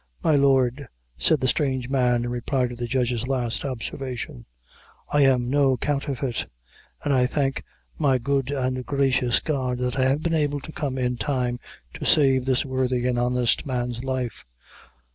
"My lord," said the strange man, in reply to the judge's last observation, "I am no counterfeit an' I thank my good an' gracious God that I have been able to come in time to save this worthy and honest man's life.